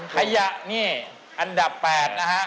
ขยะนี่อันดับ๘นะฮะ